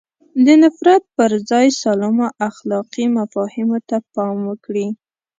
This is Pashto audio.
د نفرت پر ځای سالمو اخلاقي مفاهیمو ته پام وکړي.